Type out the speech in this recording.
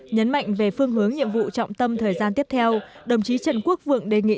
nhấn mạnh về phương hướng nhiệm vụ trọng tâm thời gian tiếp theo đồng chí trần quốc vượng đề nghị